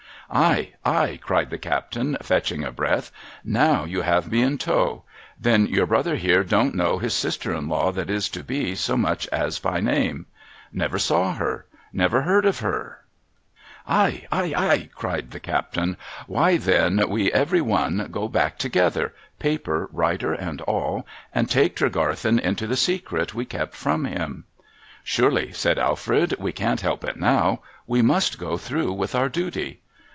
'Ay, ay !' cried the captain, fetching a breath. ^ Now you have me in tow. Then your brother here don't know his sister in law that is to be so much as by name ?'' Never saw her ; never heard of her !'' Ay, ay, ay !' cried the captain. ' AVhy then we every one go back together— paper, writer, and all— and take Tregarthen into the secret we kept from him ?'' Surely,' said Alfred, ' we can't help it now. \\"q. must go through with our duty.'